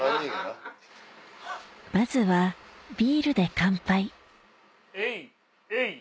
まずはビールで乾杯エイエイ。